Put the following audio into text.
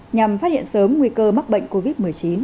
nhằm phát hiện sớm nguy cơ mắc bệnh covid một mươi chín